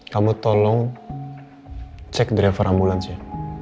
kamu tolong cek driver ambulansnya